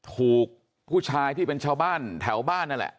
ถูกผู้ชายที่เป็นชาวบ้านแถวบ้านนั่นแหละ